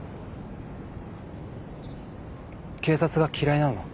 警察が嫌いなの？